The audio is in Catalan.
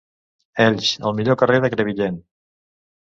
Elx, el millor carrer de Crevillent.